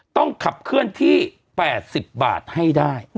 ต้องขับเคลื่อนที่๘๐บาทให้ได้